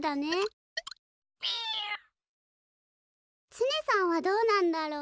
ツネさんはどうなんだろう？